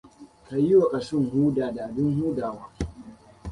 Ka yi wa kashin huda da abin hudawa.